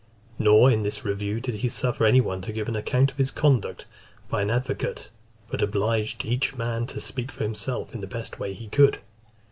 Nor in this review did he suffer any one to give an account of his conduct by an advocate, but obliged each man to speak for himself in the best way he could.